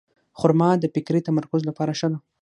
خرما د فکري تمرکز لپاره ښه ده.